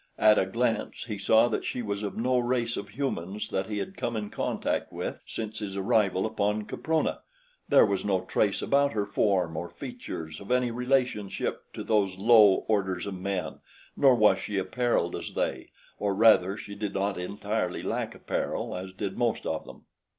At a glance he saw that she was of no race of humans that he had come in contact with since his arrival upon Caprona there was no trace about her form or features of any relationship to those low orders of men, nor was she appareled as they or, rather, she did not entirely lack apparel as did most of them.